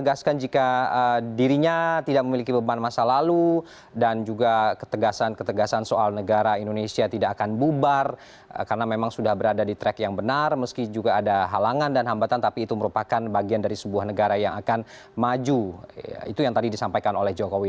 assalamualaikum warahmatullahi wabarakatuh